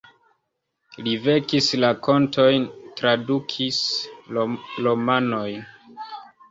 Li verkis rakontojn, tradukis romanojn.